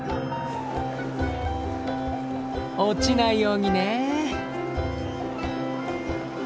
落ちないようにね。